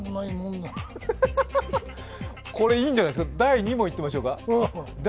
これいいんじゃないですか、第２問いってみましょう。